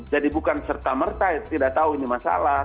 jadi bukan serta merta tidak tahu ini masalah